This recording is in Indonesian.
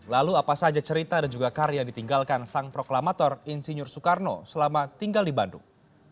lalu apa saja cerita dan juga karya yang ditinggalkan sang proklamator insinyur soekarno selama tinggal di bandung